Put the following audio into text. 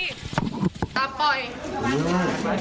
สวัสดี